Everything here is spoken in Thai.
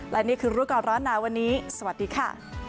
และนี่คือรู้ก่อนร้อนหนาวันนี้สวัสดีค่ะ